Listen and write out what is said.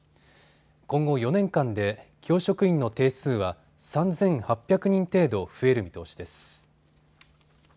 今後４年間で教職員の定数は３８００人程度増える見通しです。